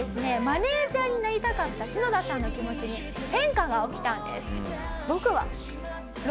マネジャーになりたかったシノダさんの気持ちに変化が起きたんです。